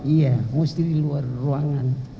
iya harus keluar ruangan